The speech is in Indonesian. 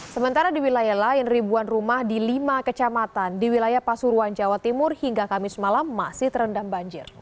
sementara di wilayah lain ribuan rumah di lima kecamatan di wilayah pasuruan jawa timur hingga kamis malam masih terendam banjir